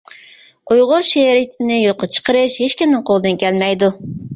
ئۇيغۇر شېئىرىيىتىنى يوققا چىقىرىش ھېچكىمنىڭ قولىدىن كەلمەيدۇ.